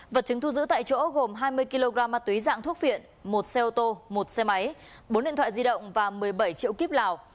vật chứng thu giữ tại chỗ gồm hai mươi kg ma túy dạng thuốc phiện một xe ô tô một xe máy bốn điện thoại di động và một mươi bảy triệu kíp lào